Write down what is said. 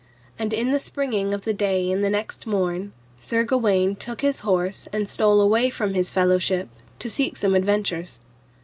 And in the springing of the day in the next morn, Sir Gawaine took his horse and stole away from his fellowship, to seek some adventures.